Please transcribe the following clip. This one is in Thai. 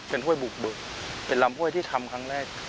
ห้วยบุกเบิกเป็นลำห้วยที่ทำครั้งแรก